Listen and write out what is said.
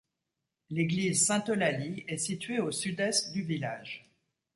L'église Sainte-Eulalie est située au sud est du village.